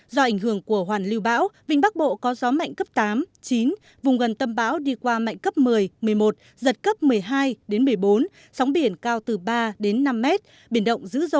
do ảnh hưởng của hoàn lưu bão vĩnh bắc bộ có gió mạnh cấp tám chín vùng gần tâm bão đi qua mạnh cấp một mươi một mươi một giật cấp một mươi hai đến một mươi bốn